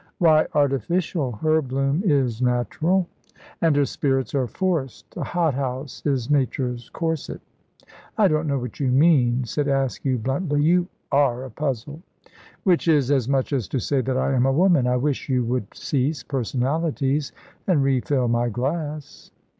"Why artificial? Her bloom is natural." "And her spirits are forced. A hothouse is Nature's corset." "I don't know what you mean," said Askew, bluntly; "you are a puzzle." "Which is as much as to say that I am a woman. I wish you would cease personalities and refill my glass."